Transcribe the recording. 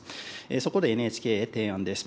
そこでＮＨＫへ提案です。